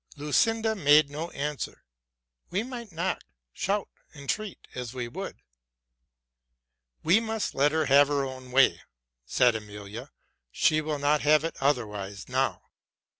Lucinda made no answer, we might knock, shout, entreat, as we would. '"We must let her have her own way,'' said Emilia: '* she will not have it otherwise now.